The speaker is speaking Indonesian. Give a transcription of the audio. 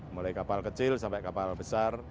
mulai kapal kecil sampai kapal besar